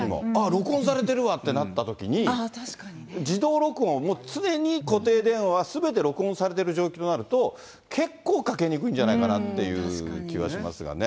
録音されてるわってなったときに、自動録音をもう常に固定電話はすべて録音されてる状況になると、結構かけにくいんじゃないかなっていう気はしますけどね。